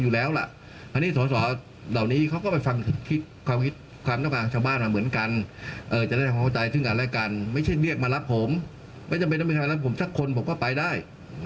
ไม่จำเป็นทำไมกันถึงการรับผมสักคนผมก็ปลายได้